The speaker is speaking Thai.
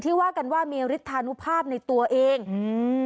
ว่ากันว่ามีฤทธานุภาพในตัวเองอืม